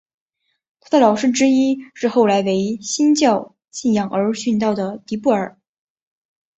他的老师之一是后来为新教信仰而殉道的迪布尔。